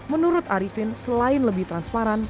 menurut arifin selain lebih transparan